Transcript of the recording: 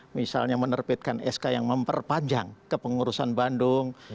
misalnya menerbitkan sk yang memperpanjang kepengurusan bandung